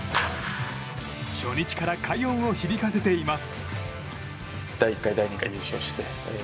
初日から快音を響かせています。